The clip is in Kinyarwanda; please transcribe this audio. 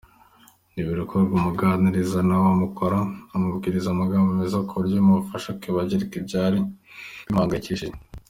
Ibi ngo bikorwa amuganiriza neza, amukorakora , amubwira magambo meza kuburyo bimufasha kwibagirwa ibyari bimuhangayikishije.